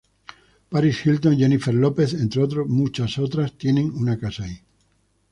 Paris Hilton, Jennifer Lopez, entre muchos otros, tienen una casa ahí.